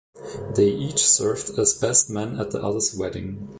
They each served as best man at the other's wedding.